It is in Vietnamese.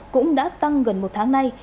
cũng đã tăng gần một tháng nay